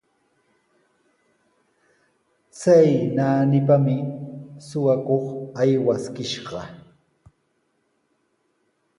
Chay naanipami suqakuq aywaskishqa.